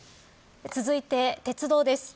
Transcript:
続いて、鉄道です。